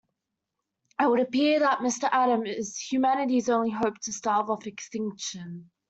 It would appear that Mr. Adam is humanity's only hope to stave off extinction.